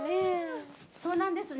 そうなんですね。